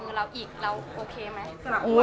อเรนนี่มีหลังไม้ไม่มี